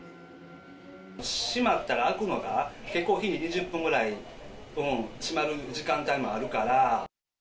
閉まったら、開くのが、結構２０分ぐらい、閉まる時間帯もあるから。